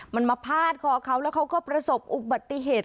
มันมาพาดคอเขาแล้วเขาก็ประสบอุบัติเหตุ